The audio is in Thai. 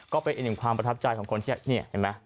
ก็เป็นอินดินความประทับใจของคนที่เอาเห็นไหม